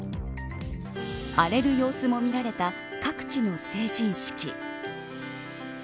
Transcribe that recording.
荒れる様子も見られた各地の成人式。